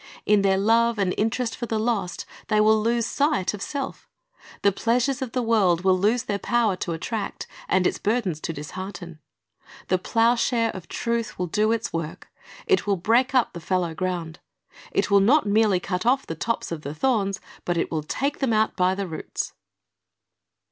In their love and interest for the lost, they will lose sight of self. The pleasures of the world will lose their power to attract and its burdens to dishearten. The plowshare of truth will do its work. It will break up the fallow ground. It will not merely cut off the tops of the thorns, but will take them out by the roots.